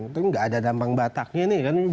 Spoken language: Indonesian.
tapi nggak ada tampang bataknya nih kan